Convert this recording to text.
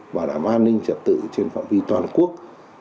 bảo đảm an ninh trật tự trên phạm vi toàn quốc